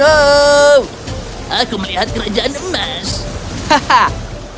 aku melihat kerajaan emas